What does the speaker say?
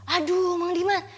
aduh mang diman